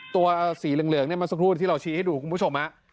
ตัวสีเหลืองเนี่ยเมื่อสักครู่ที่เราชี้ให้ดูคุณผู้ชมฮะ